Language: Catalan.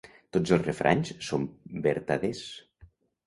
Tots els refranys són vertaders.